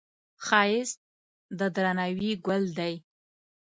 ښایست د درناوي ګل دی